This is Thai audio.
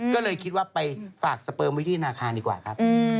ก็เลยคิดว่าไปฝากสเปิมไว้ที่ธนาคารดีกว่าครับ